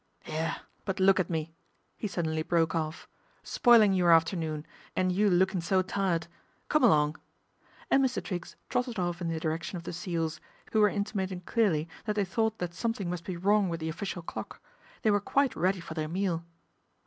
'Ere, but look at me," he sud denly broke off, " spoilin' your afternoon, and you lookin' so tired. Come along," and Mr. Triggs trotted off in the direction of the seals, who were intimating clearly that they thought that some thing must be wrong with the official clock. They were quite ready for their meal.